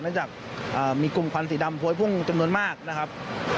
หลังจากมีกลุ่มควันสีดำพวยพุ่งจำนวนมากนะครับ